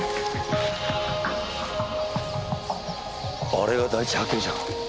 あれが第一発見者か？